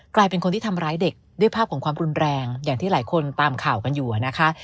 กลายเป็นคนที่ทำร้ายเด็กด้วยภาพของความรุนแรงอย่างที่หลายคนตามข่าวกันอยู่นะคะ